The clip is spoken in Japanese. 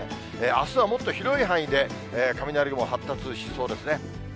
あすはもっと広い範囲で雷雲発達しそうですね。